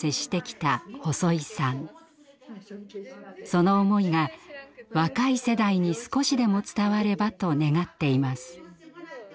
その思いが若い世代に少しでも伝わればと願っています。